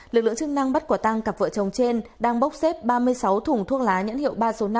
lực lượng chức năng bắt quả tăng cặp vợ chồng trên đang bốc xếp ba mươi sáu thùng thuốc lá nhãn hiệu ba số năm